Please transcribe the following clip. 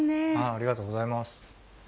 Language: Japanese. ありがとうございます。